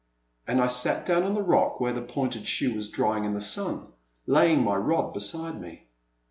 '* And I sat down on the rock where the pointed shoe was drying in the sun, laying my rod beside me.